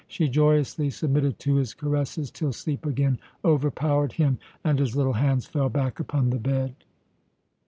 She joyously submitted to his caresses, till sleep again overpowered him, and his little hands fell back upon the bed.